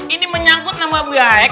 ini menyangkut nama bu yaek